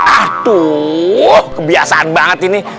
aduh kebiasaan banget ini